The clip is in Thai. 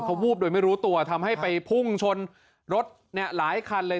เขาวูบโดยไม่รู้ตัวทำให้ไปพุ่งชนรถหลายคันเลย